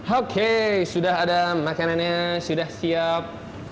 oke sudah ada makanannya sudah siap